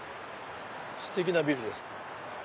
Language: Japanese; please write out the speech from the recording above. ステキなビルですね。